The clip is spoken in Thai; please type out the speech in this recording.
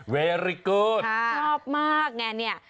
เวรี่กู๊ดชอบมากแม่นี่